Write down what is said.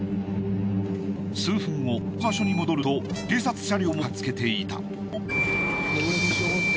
数分後その場所に戻ると警察車両も駆けつけていた。